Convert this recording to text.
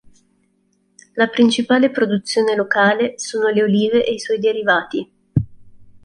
La principale produzione locale sono le olive e i suoi derivati.